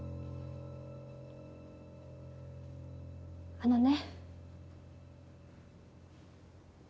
あのね。